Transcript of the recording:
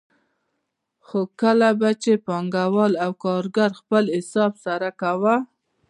خو کله چې به پانګوال او کارګر خپل حساب سره کاوه